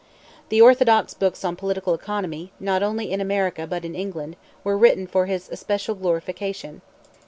The orthodox books on political economy, not only in America but in England, were written for his especial glorification.